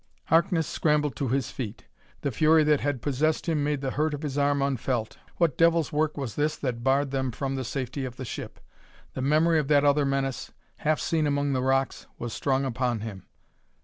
Harkness scrambled to his feet. The fury that had possessed him made the hurt of his arm unfelt. What devil's work was this that barred them from the safety of the ship? The memory of that other menace, half seen among the rocks, was strong upon him.